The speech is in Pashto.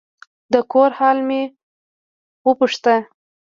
د کور حال مې وپوښت.